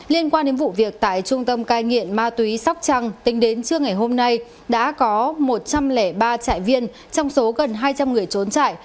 liên quan đến vụ việc tại trung tâm cai nghiện ma túy sóc trăng tính đến trưa ngày hôm nay đã có một trăm linh ba trại viên trong số gần hai trăm linh người trốn trại